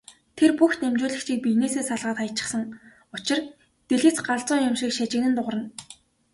Тэр бүх дамжуулагчийг биенээсээ салгаад хаячихсан учир дэлгэц галзуу юм шиг шажигнан дуугарна.